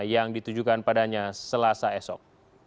yang ditujukan padanya selasa esok